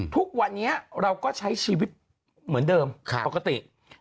ทุกวันนี้เราก็ใช้ชีวิตเหมือนเดิมปกติ